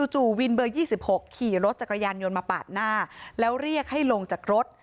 จู่วินเบอร์๒๖ขี่รถจักรยานยนต์มาปาดหน้าแล้วเรียกให้ลงจากรถ